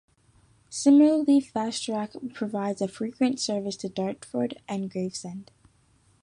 Similarly Fastrack provides a frequent service to Dartford, and Gravesend.